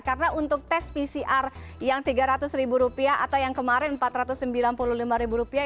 karena untuk tes pcr yang tiga ratus rupiah atau yang kemarin empat ratus sembilan puluh lima rupiah